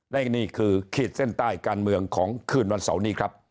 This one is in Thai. และนี่คือขีดเส้นใต้การเมืองของคืนวันเสาร์นี้ครับ